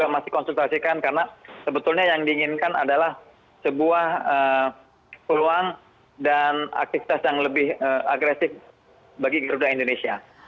kita masih konsultasikan karena sebetulnya yang diinginkan adalah sebuah peluang dan aktivitas yang lebih agresif bagi garuda indonesia